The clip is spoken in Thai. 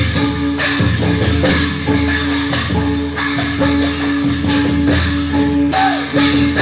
ขอบคุณนะครับ